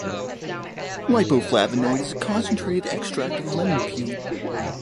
Lipo-flavonoid is a concentrated extract of lemon peel.